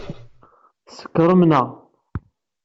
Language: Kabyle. Tsekṛem neɣ?